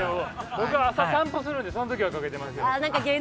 僕は朝散歩するので、そのときはかけています。